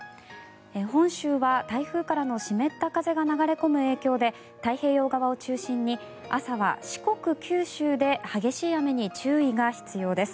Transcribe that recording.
本州は台風からの湿った風が流れ込む影響で太平洋側を中心に朝は四国、九州で激しい雨に注意が必要です。